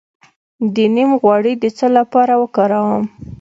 د نیم غوړي د څه لپاره وکاروم؟